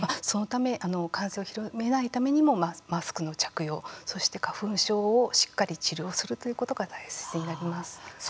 そのため感染を広めないためにもマスクの着用そして花粉症をしっかり治療するということが大切になります。